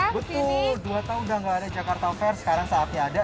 betul dua tahun udah gak ada jakarta fair sekarang saatnya ada